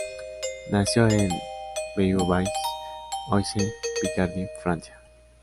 Nació en Beauvais, Oise, Picardie, Francia.